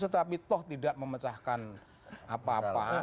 tetapi toh tidak memecahkan apa apa